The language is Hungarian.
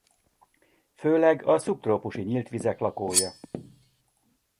Főleg a szubtrópusi nyílt vizek lakója.